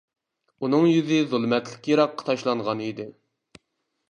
ئۇنىڭ يۈزى زۇلمەتلىك يىراققا تاشلانغان ئىدى.